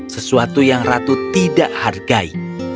sesuatu yang ratu tidak hargai